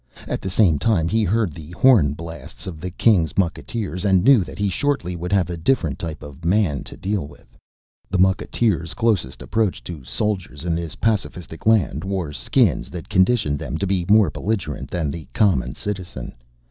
At the same time he heard the horn blasts of the king's mucketeers and knew that he shortly would have a different type of Man to deal with. The mucketeers, closest approach to soldiers in this pacifistic land, wore Skins that conditioned them to be more belligerent than the common citizen.